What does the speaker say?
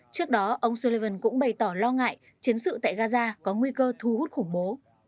trước đó ông sullivan cũng bày tỏ lo ngại chiến sự tại gaza có nguy cơ thu hút khủng bố